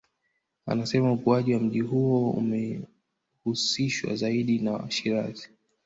Anasema ukuaji wa mji huo unahusishwa zaidi na Washirazi